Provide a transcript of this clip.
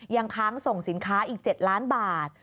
ยังค้างส่งสินค้าอีก๗ล้านบาท